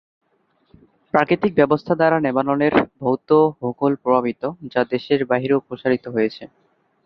প্রাকৃতিক ব্যবস্থা দ্বারা লেবাননের ভৌত ভূগোল প্রভাবিত, যা দেশের বাইরেও প্রসারিত হয়েছে।